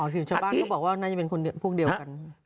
อ๋อคือเฉพาะบ้างก็บอกว่าน่าจะเป็นพวกเดียวกัน